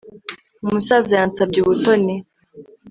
Umusaza yansabye ubutoni